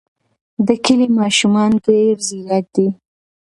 د کلي ماشومان ډېر ځیرک دي.